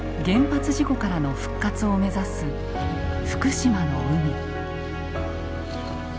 原発事故からの復活を目指す福島の海。